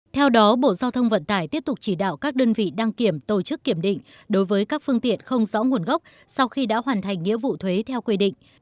theo đó bộ giao thông vận tải tiếp tục chỉ đạo các đơn vị đăng kiểm tổ chức kiểm định đối với các phương tiện không rõ nguồn gốc sau khi đã hoàn thành nghĩa vụ thuế theo quy định